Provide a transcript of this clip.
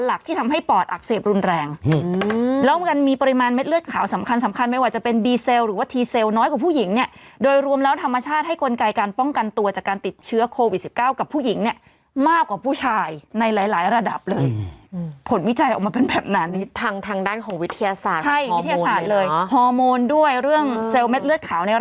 แล้วก็มีปริมาณเม็ดเลือดขาวสำคัญไม่ว่าจะเป็นบีเซลล์หรือว่าทีเซลล์น้อยกว่าผู้หญิงเนี่ยโดยรวมแล้วธรรมชาติให้กลไกการป้องกันตัวจากการติดเชื้อโควิด๑๙กับผู้หญิงเนี่ยมากกว่าผู้ชายในหลายระดับเลยผลวิจัยออกมาเป็นแบบนั้นทางด้านของวิทยาศาสตร์ฮอร์โมนด้วยเรื่องเซลล์เ